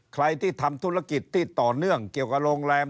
ใครที่ทำธุรกิจที่ต่อเนื่องเกี่ยวกับโรงแรม